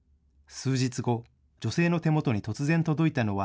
数日後、女性の手元に突然届いたのは